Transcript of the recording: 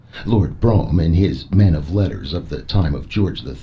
Lord Brougham, in his "Men of Letters of the Time of George III.."